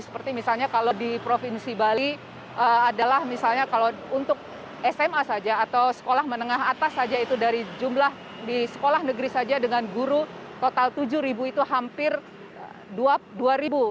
seperti misalnya kalau di provinsi bali adalah misalnya kalau untuk sma saja atau sekolah menengah atas saja itu dari jumlah di sekolah negeri saja dengan guru total tujuh itu hampir dua ribu